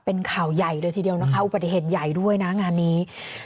เป็นข่าวใหญ่เลยทีเดียวนะคะอุบัติเหตุใหญ่ด้วยนะงานนี้